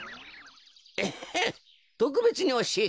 エッヘンとくべつにおしえてやる。